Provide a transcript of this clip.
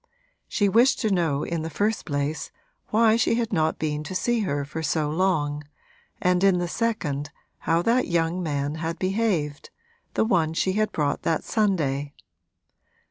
She wished to know in the first place why she had not been to see her for so long, and in the second how that young man had behaved the one she had brought that Sunday.